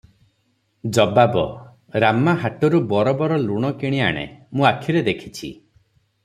ଜବାବ - ରାମା ହାଟରୁ ବରୋବର ଲୁଣ କିଣି ଆଣେ, ମୁଁ ଆଖିରେ ଦେଖିଛି ।